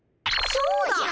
そうだ！